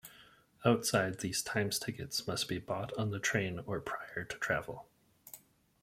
Outside these times tickets must be bought on the train or prior to travel.